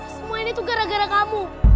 semua ini tuh gara gara kamu